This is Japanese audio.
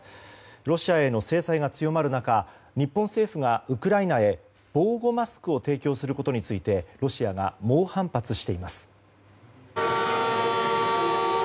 ロシアへの制裁が強まる中日本政府がウクライナへ防護マスクを提供することについてロシアが猛反発しています。